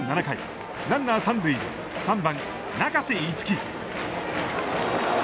７回ランナー３塁３番、中瀬樹。